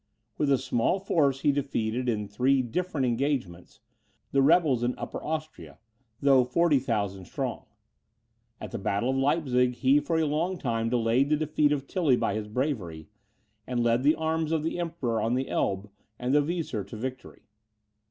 With a small force he defeated, in three different engagements, the rebels in Upper Austria, though 40,000 strong. At the battle of Leipzig, he for a long time delayed the defeat of Tilly by his bravery, and led the arms of the Emperor on the Elbe and the Weser to victory.